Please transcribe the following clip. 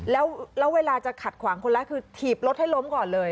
แล้วเวลาจะขัดขวางคนร้ายคือถีบรถให้ล้มก่อนเลย